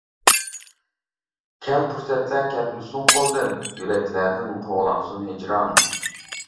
كەل پۇرسەتلەر كەتمىسۇن قولدىن، يۈرەكلەردىن قوغلانسۇن ھىجران.